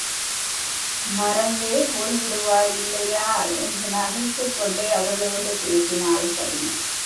மறந்தே போய் விடுவாய் இல்லையா? என்று நகைத்துக் கொண்டே அவளோடு பேசினாள் பதுமை.